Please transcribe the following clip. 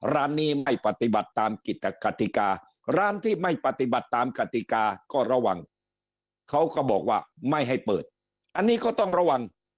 ร้านนี้ไม่ปฏิบัติตามกฎกติการ้านที่ไม่ปฏิบัติตามกติกาก็ระวังเขาก็บอกว่าไม่ให้เปิดอันนี้ก็ต้องระวัง